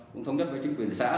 cũng thống nhất với chính quyền xã